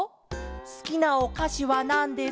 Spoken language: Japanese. すきなおかしはなんですか？